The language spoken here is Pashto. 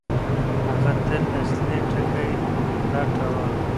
هغه تل اصلي ټکی لټاوه.